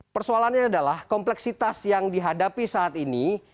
persoalannya adalah kompleksitas yang dihadapi saat ini